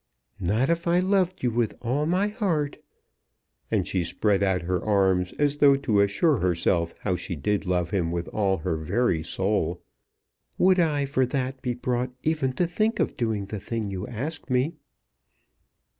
"Not if I loved you with all my heart, " and she spread out her arms as though to assure herself how she did love him with all her very soul, "would I for that be brought even to think of doing the thing that you ask me."